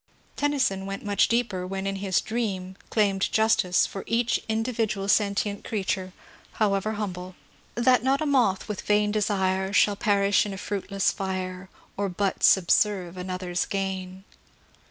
Ten nyson went much deeper when his " dream " claimed justice for each individual sentient creature, however humble :— That not a moth with yain desire Shall perish in a fruitless fire, Or but subserve another's g^in.